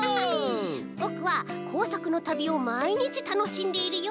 「ぼくはこうさくのたびをまいにちたのしんでいるよ！